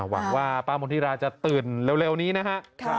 หวังว่าป้ามนธิราจะตื่นเร็วนี้นะฮะ